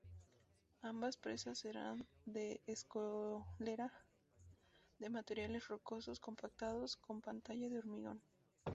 Ambas presas serán de escollera de materiales rocosos compactados, con pantalla de hormigón.